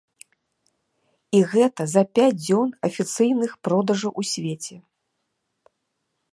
І гэта за пяць дзён афіцыйных продажаў у свеце.